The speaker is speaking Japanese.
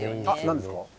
何ですか？